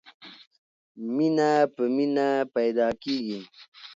مینه په مینه پیدا کېږي.